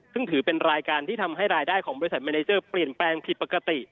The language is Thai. ซึ่งถือเป็นรายการที่ทำให้รายได้ของบริษัทเมเนเจอร์เปลี่ยนแปลงผิดปกติ